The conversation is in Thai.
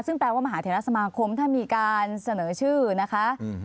ซึ่งแปลว่ามหาเทราสมาคมถ้ามีการเสนอชื่อนะคะ